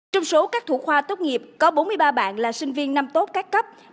trong số các thủ khoa tốt nghiệp có bốn mươi ba bạn là sinh viên năm tốt các cấp